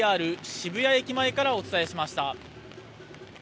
渋谷駅前からお伝えしました。